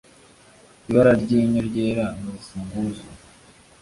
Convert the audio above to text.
ibara ryinyo ryera ni urufunguzo